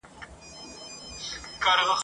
چي پر اړخ به راواړاوه مېرمني !.